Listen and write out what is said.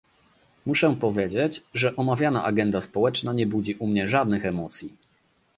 Muszę powiedzieć, że omawiana agenda społeczna nie budzi u mnie żadnych emocji